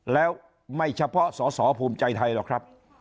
แล้วไม่เฉพาะสอสอภูมิใจไทยหรอกครับ